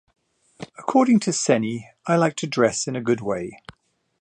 According to Ceni: I like to dress in a good way.